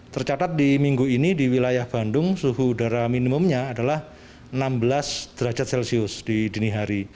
tercatat di minggu ini di wilayah bandung suhu udara minimumnya adalah enam belas derajat celcius di dini hari